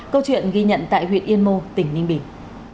câu chuyện ghi nhận tại huyện yên mô tỉnh ninh bình